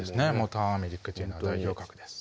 ターメリックというのは代表格です